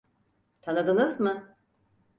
Tanıdınız mı?